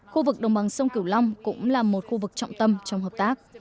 khu vực đồng bằng sông cửu long cũng là một khu vực trọng tâm trong hợp tác